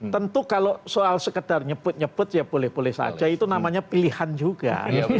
tentu kalau soal sekedar nyebut nyebut ya boleh boleh saja itu namanya pilihan juga